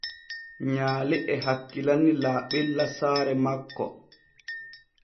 Nyaale e hakkilani laaɓella saare makko.